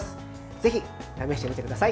ぜひ試してみてください。